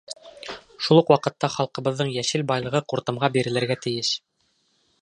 Шул уҡ ваҡытта халҡыбыҙҙың йәшел байлығы ҡуртымға бирелергә тейеш.